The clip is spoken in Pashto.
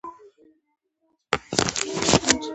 د کرنې ریاستونه لارښوونې کوي.